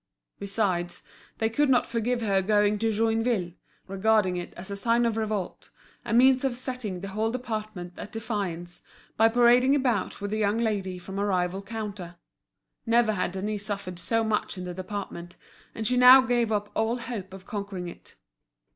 Besides, they could not forgive her going to Joinville, regarding it as a sign of revolt, a means of setting the whole department at defiance, by parading about with a young lady from a rival counter. Never had Denise suffered so much in the department, and she now gave up all hope of conquering it.